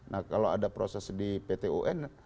nah kalau ada proses di pt un